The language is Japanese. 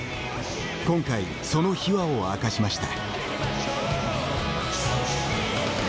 今回、その秘話を明かしました。